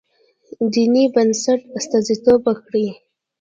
دیني بنسټ استازیتوب وکړي.